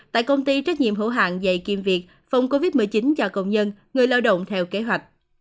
tại công ty trách nhiệm hữu hạng dạy kiêm việc phòng covid một mươi chín cho công nhân người lao động theo kế hoạch